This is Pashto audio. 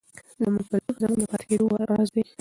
زموږ کلتور زموږ د پاتې کېدو راز دی.